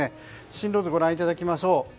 進路図ご覧いただきましょう。